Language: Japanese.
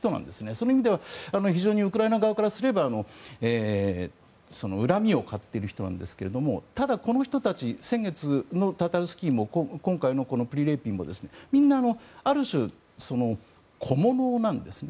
その意味では非常にウクライナ側からすれば恨みを買っている人なんですがただ、この人たち先月のタタルスキーも今回のプリレーピンもみんなある種、小物なんですね。